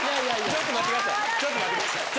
ちょっと待って下さい。